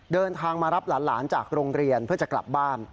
เดินทางมารับหลานจากโรงเรียนเพื่อจะกลับบ้าน